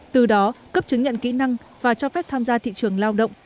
từ đó cấp chứng nhận kỹ năng và cho phép tham gia thị trường lao động